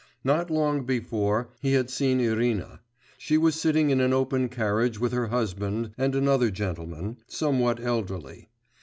Not long before, he had seen Irina: she was sitting in an open carriage with her husband and another gentleman, somewhat elderly.